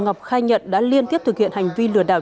ngọc khai nhận đã liên tiếp thực hiện hành vi lừa đảo